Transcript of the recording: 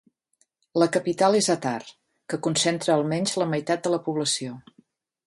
La capital és Atar que concentra almenys la meitat de la població.